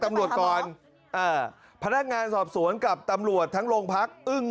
ไปตำรวจก่อนพนักงานซับซ้อนกับตำรวจทั้งโรงพัก